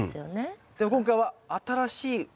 でも今回は新しい植え方。